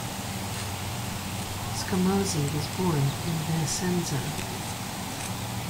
Scamozzi was born in Vicenza.